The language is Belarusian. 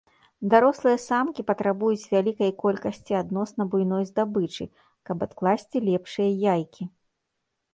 Дарослыя самкі патрабуюць вялікай колькасці адносна буйной здабычы, каб адкласці лепшыя яйкі.